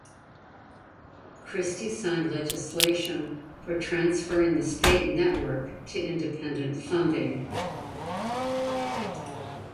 Christie signed legislation for transferring the state network to independent funding.